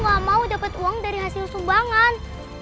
gak mau dapat uang dari hasil sumbangan